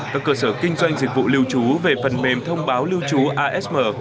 các cơ sở kinh doanh dịch vụ lưu trú về phần mềm thông báo lưu trú asm